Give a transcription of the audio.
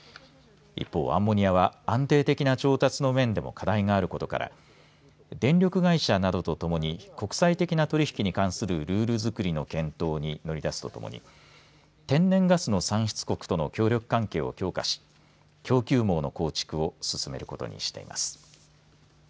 一方、アンモニアは安定的な調達の面でも課題があることから電力会社などとともに国際的な取り引きに関するルール作りの検討に乗り出すとともに天然ガスの産出国との協力関係を強化し供給網の構築を進めることにしています。